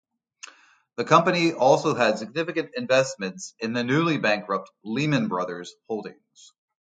The company also had significant investments in the newly-bankrupt Lehman Brothers Holdings.